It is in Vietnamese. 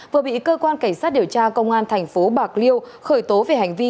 vừa bị cơ quan cảnh sát điều tra công an thành phố bạc liêu khởi tố về hành vi